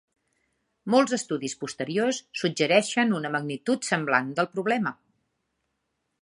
Molts estudis posteriors suggereixen una magnitud semblant del problema.